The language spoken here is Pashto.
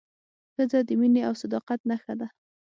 ښځه د مینې او صداقت نښه ده.